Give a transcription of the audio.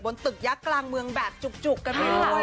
ตึกยักษ์กลางเมืองแบบจุกกันไปด้วย